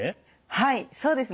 はいそうですね